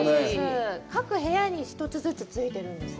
各部屋に１つずつついているんです。